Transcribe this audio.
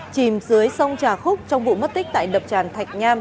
chìm dưới sông trà khúc trong vụ mất tích tại đập tràn thạch nham